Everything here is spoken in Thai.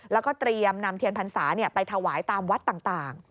แล้วก็เตรียมนำเทียนพรรษาไปถวายตามวัดต่าง